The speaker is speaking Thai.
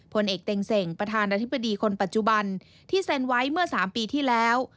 ผลเอกเต็งเส่งประธานาธิบดีคนปัจจุบันที่เซ็นไว้เมื่อ๓ปีที่แล้ว